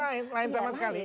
lain sama sekali